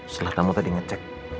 setelah tamu tadi ngecek